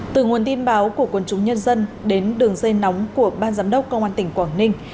từ nguồn tin báo của quân chúng nhân dân đến đường dây nóng của ban giám đốc công an tỉnh quảng ninh